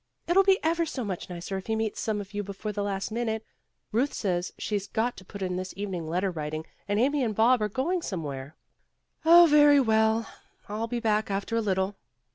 "It'll be ever so much nicer if he meets some of you before the last minute. Euth says she 's got to put in this evening letter writing, and Amy and Bob are going somewhere." "Oh, very well. I'll be back after a little."